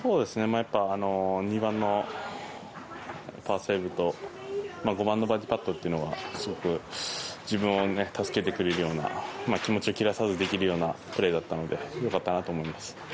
２番のパーセーブと５番のバーディーパットがすごく自分を助けてくれるような気持ちを切らさずできるようなプレーだったので良かったなと思います。